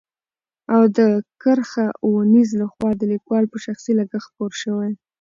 او د کرښه اوو نيزه له خوا د ليکوال په شخصي لګښت خپور شوی.